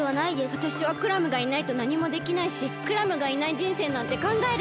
わたしはクラムがいないとなにもできないしクラムがいないじんせいなんてかんがえられない。